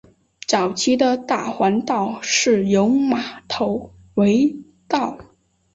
早期的大环道是由马头围道。